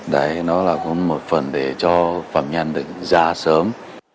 đấy nó là một phần để cho phạm nhân ra sớm